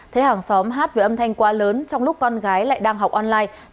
thấy hàng xóm hát với âm thanh quá lớn trong lúc con gái lại đang học online